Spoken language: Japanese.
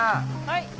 はい。